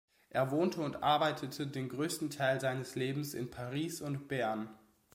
Er wohnte und arbeitete den grössten Teil seines Lebens in Paris und Bern.